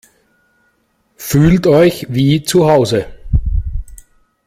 Fühlt euch wie zu Hause!